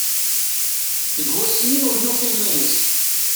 Deg wass-nni ur yufi iman-is